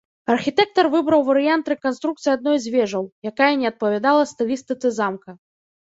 Архітэктар выбраў варыянт рэканструкцыі адной з вежаў, якая не адпавядала стылістыцы замка.